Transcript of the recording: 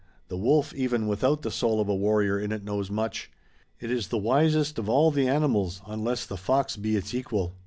"The wolf even without the soul of a warrior in it knows much. It is the wisest of all the animals, unless the fox be its equal.